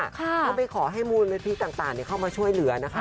เขาไปขอให้มูลนิธิต่างเข้ามาช่วยเหลือนะคะ